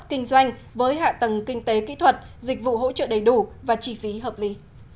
kinh doanh với hạ tầng kinh tế kỹ thuật dịch vụ hỗ trợ đầy đủ và chi phí hợp lý